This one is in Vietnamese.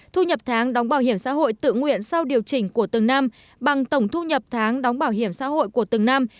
thu nhập tháng đóng bảo hiểm xã hội tự nguyện sau điều chỉnh của từng năm bằng tổng thu nhập tháng đóng bảo hiểm xã hội của từng năm